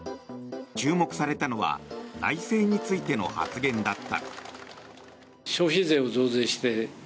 注目されたのは内政についての発言だった。